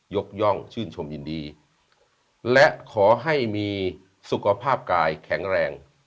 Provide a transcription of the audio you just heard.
ย่องชื่นชมยินดีและขอให้มีสุขภาพกายแข็งแรง